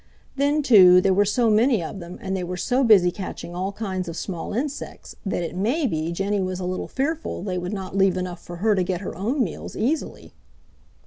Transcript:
Then, too, there were so many of them and they were so busy catching all kinds of small insects that it may be Jenny was a little fearful they would not leave enough for her to get her own meals easily.